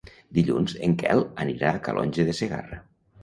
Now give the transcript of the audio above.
Dilluns en Quel anirà a Calonge de Segarra.